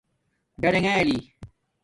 ڈاڈاݣلی